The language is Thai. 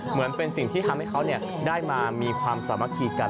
เหมือนเป็นสิ่งที่ทำให้เขาได้มามีความสามัคคีกัน